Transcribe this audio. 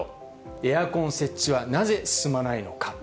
エアコン設置はなぜ進まないのか。